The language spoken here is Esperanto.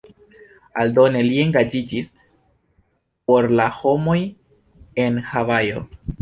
Aldone li engaĝiĝis por la homoj en Havajo.